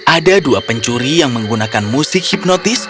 ada dua pencuri yang menggunakan musik hipnotis